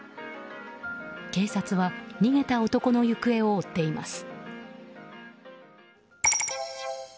警察は逃げた男の行方を追っています。